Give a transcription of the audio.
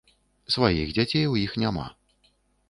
Сваіх дзяцей у іх няма.